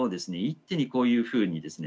一手にこういうふうにですね